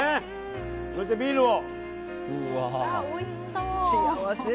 そしてビールを。